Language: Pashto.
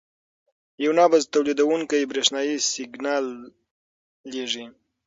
یو نبض تولیدوونکی برېښنايي سیګنال لېږي.